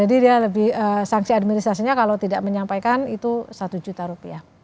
jadi saksi administrasinya kalau tidak menyampaikan itu satu juta rupiah